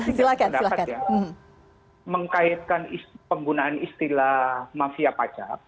saya pendapat ya mengkaitkan penggunaan istilah mafia pajak